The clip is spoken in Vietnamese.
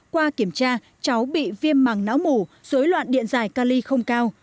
qua kiểm tra cháu bị viêm mằng não mủ dối loạn điện dài cali không cao